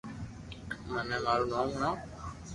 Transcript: مني مارو نوم ھڻاو